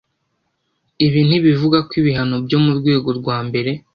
ibi ntibivugako ibihano byo mu rwego rwambere